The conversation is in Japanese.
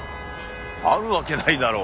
あるわけないだろう。